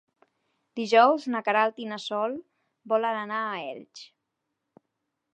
Dijous na Queralt i na Sol volen anar a Elx.